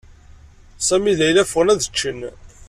Sami d Layla ffɣen ad ččen.